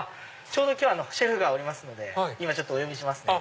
ちょうどシェフがおりますので今お呼びしますね。